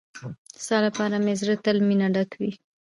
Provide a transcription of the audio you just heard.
ستا لپاره مې زړه تل مينه ډک وي.